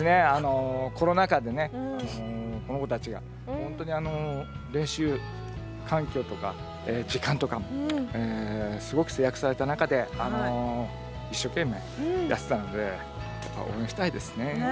コロナ禍でこの子たちが本当に練習環境とか時間とかもすごく制約された中で一生懸命やっていたので応援したいですね。